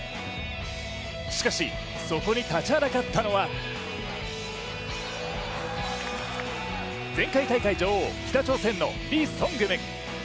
しかし、そこに立ちはだかったのは前回大会女王、北朝鮮のリ・ソングム。